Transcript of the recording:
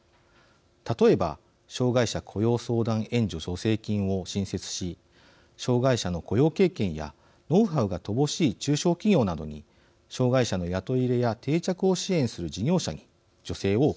例えば障害者雇用相談援助助成金を新設し障害者の雇用経験やノウハウが乏しい中小企業などに障害者の雇い入れや定着を支援する事業者に助成を行います。